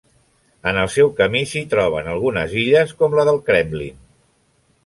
En el seu camí, s'hi troben algunes illes, com la del Kremlin.